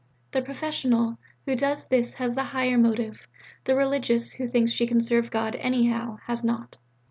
The 'professional' who does this has the higher motive; the 'religious' who thinks she can serve God 'anyhow' has not.